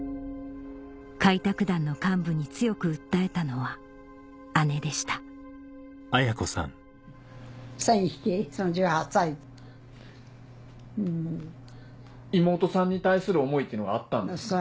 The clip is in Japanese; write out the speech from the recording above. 開拓団の幹部に強く訴えたのは姉でした妹さんに対する思いっていうのがあったんですか？